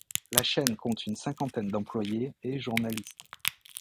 La chaîne compte une cinquantaine d'employés et journalistes.